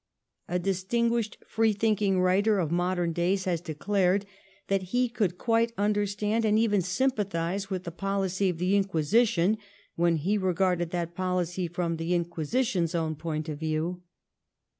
A distinguished free thinking writer of modern days has declared that he could quite understand and even sympathise with the policy of the Inquisition when he regarded that policy from the Inquisition's own point of view.